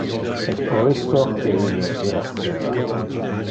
Es pro isto que ille irasceva.